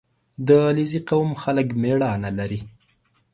• د علیزي قوم خلک مېړانه لري.